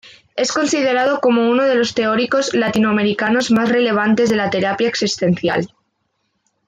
Es considerado como uno de los teóricos latinoamericanos más relevantes de la terapia existencial.